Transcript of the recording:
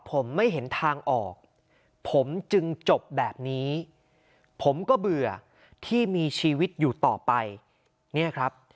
ผมไม่เห็นทางออกผมจึงจบแบบนี้ผมก็เบื่อที่มีชีวิตอยู่ต่อไปเนี่ยครับ